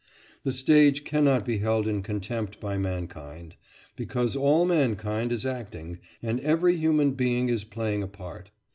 The stage cannot be held in contempt by mankind; because all mankind is acting, and every human being is playing a part.